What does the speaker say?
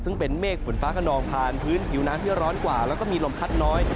ซึ่งเป็นเมฆฝนฟ้าขนองผ่านพื้นผิวน้ำที่ร้อนกว่าแล้วก็มีลมพัดน้อย